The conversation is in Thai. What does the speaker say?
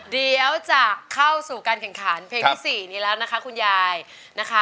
เดี๋ยวจะเข้าสู่การแข่งขันเพลงที่๔นี้แล้วนะคะคุณยายนะคะ